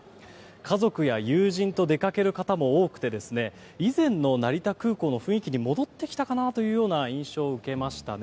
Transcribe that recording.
家族や友人と出かける方も多くて以前の成田空港の雰囲気に戻ってきたかなという印象を受けましたね。